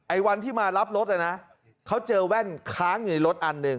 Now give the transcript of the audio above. วันที่มารับรถน่ะนะเขาเจอแว่นค้างอยู่ในรถอันหนึ่ง